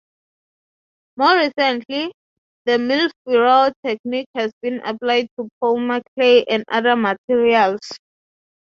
More recently, the millefiori technique has been applied to polymer clay and other materials.